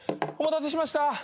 お待たせしました。